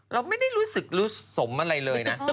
เราไม่ได้รู้สมอะไรเลยนะ